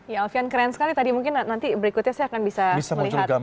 ya alfian keren sekali tadi mungkin nanti berikutnya saya akan bisa melihat ar di bajunya alfian